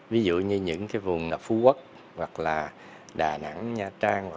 ví dụ như những vùng phú quốc đà nẵng nha trang